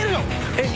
えっ？